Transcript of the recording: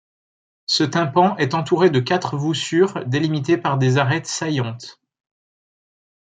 Ce tympan est entouré de quatre voussures délimitées par des arêtes saillantes.